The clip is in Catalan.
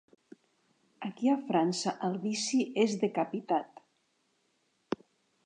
Aquí a França el vici és decapitat.